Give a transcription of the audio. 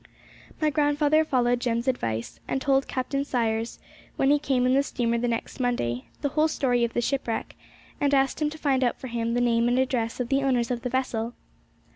My grandfather followed Jem's advice, and told Captain Sayers, when he came in the steamer the next Monday, the whole story of the shipwreck, and asked him to find out for him the name and address of the owners of the vessel.